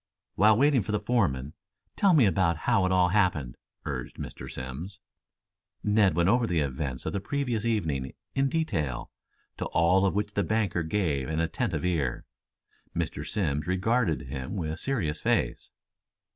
"While waiting for the foreman, tell me about how it all happened?" urged Mr. Simms. Ned went over the events of the previous evening, in detail, to all of which the banker gave an attentive ear. Mr. Simms regarded him with serious face.